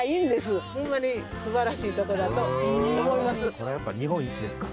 そらやっぱ日本一ですか？